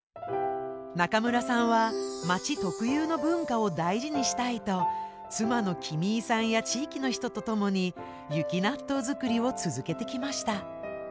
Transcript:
中村さんは町特有の文化を大事にしたいと妻のキミイさんや地域の人と共に雪納豆作りを続けてきました。